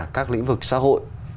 các lĩnh vực xã hội